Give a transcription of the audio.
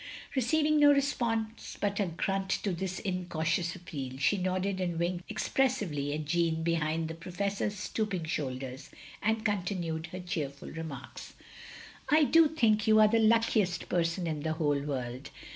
Receiving no response but a grunt to this incautious appeal, she nodded and winked ex pressively at Jeanne behind the professor's stoop ing shoulders, and continued her cheerful remarks. " I do think you are the luckiest person in the whole world.